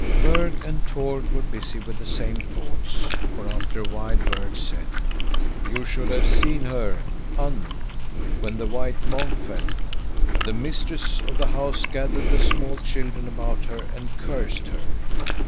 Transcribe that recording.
Berg and Tord were busy with the same thoughts, for after a while Berg said: "You should have seen her, Unn, when the white monk fell. The mistress of the house gathered the small children about her and cursed her.